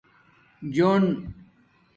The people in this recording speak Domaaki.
جُݸن